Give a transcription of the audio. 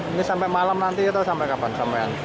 ini sampai malam nanti atau sampai kapan